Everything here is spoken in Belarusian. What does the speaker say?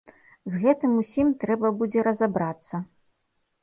З гэтым усім трэба будзе разабрацца.